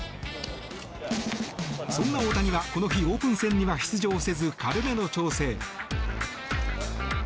そんな大谷はこの日オープン戦には出場せず軽めの調整。